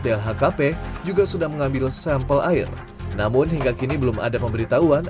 dlhkp juga sudah mengambil sampel air namun hingga kini belum ada pemberitahuan